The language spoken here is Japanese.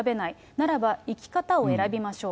ならば生き方を選びましょう。